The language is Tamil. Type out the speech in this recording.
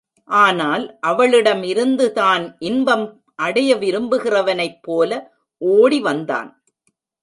ஆனால் அவளிடம் இருந்து தான் இன்பம் அடைய விரும்புகிறவனைப் போல ஒடி வந்தான்.